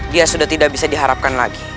dia sudah tidak bisa diharapkan lagi